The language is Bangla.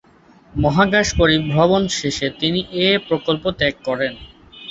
মহাকাশ পরিভ্রমণ শেষে তিনি এ প্রকল্প ত্যাগ করেন।